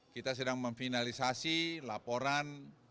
kita sedang memfinalisasi laporan